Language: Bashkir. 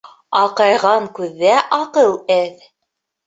Аҡайған күҙҙә аҡыл әҙ.